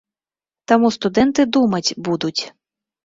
Таму студэнты думаць будуць.